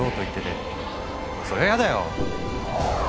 それはやだよ！